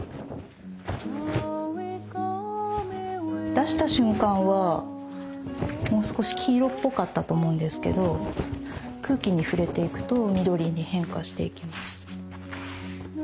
出した瞬間はもう少し黄色っぽかったと思うんですけど空気に触れていくと緑に変化していきます。